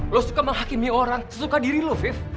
lo suka menghakimi orang suka diri lo vip